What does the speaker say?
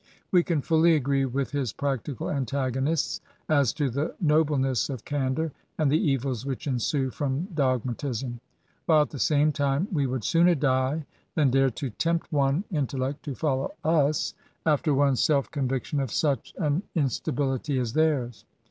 We can fully agree with his practical antagonists as to the nobleness of candour, and the evils which ensue from dogmatism; while, at the same time, we would sooner die than dare to tempt one intellect to follow us, after one self conviction of such an GAINS AND PRIVILEGES. 217 instability as theirs.